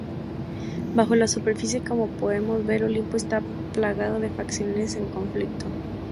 Bajo la superficie, como podemos ver, Olimpo está plagado de facciones en conflicto.